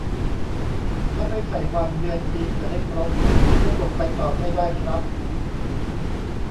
ถ้าไม่ใส่วัน เดือน ปีเกิดให้ครบ ก็กดไปต่อไม่ได้ครับ